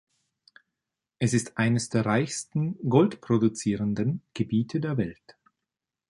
Es ist eines der reichsten goldproduzierenden Gebiete der Welt.